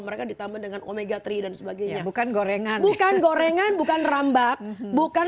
mereka ditambah dengan omega tiga dan sebagainya bukan gorengan bukan gorengan bukan rambak bukan